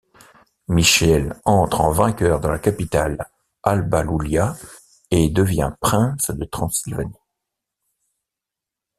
Michel entre en vainqueur dans la capitale Alba Iulia et devient prince de Transylvanie.